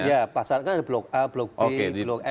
iya pasar kan ada blok a blok b blok f blok g